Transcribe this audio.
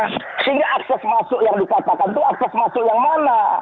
sehingga akses masuk yang dikatakan itu akses masuk yang mana